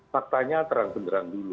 faktanya terang benderang dulu